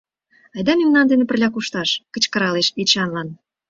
— Айда мемнан дене пырля кушташ! — кычкыралеш Эчанлан.